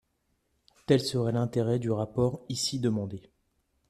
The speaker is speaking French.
Tel serait l’intérêt du rapport ici demandé.